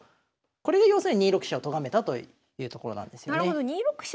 これが要するに２六飛車をとがめたというところなんですよね。